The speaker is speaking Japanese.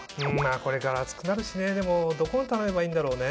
これから暑くなるしねでもどこに頼めばいいんだろうね。